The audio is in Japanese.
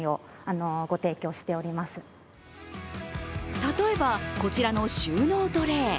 例えばこちらの収納トレー。